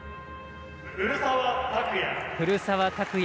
古澤拓也。